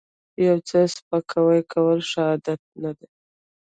یو چاته سپکاوی کول ښه عادت نه دی